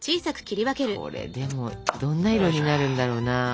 これでもどんな色になるんだろうな。